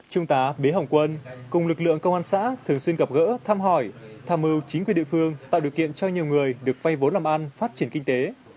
trung tá bế hồng quân cùng lực lượng công an xã thường xuyên gặp gỡ thăm hỏi tham mưu chính quyền địa phương tạo điều kiện cho nhiều người được vay vốn làm ăn phát triển kinh tế